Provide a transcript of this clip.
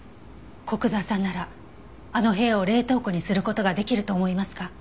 古久沢さんならあの部屋を冷凍庫にする事ができると思いますか？